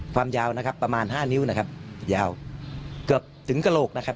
ความยาวนะครับประมาณห้านิ้วนะครับยาวเกือบถึงกระโหลกนะครับ